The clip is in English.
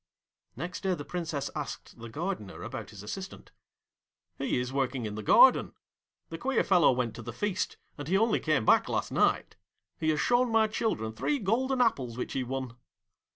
Next day the Princess asked the Gardener about his assistant. 'He is working in the garden. The queer fellow went to the feast, and he only came back last night. He has shown my children three golden apples which he won.'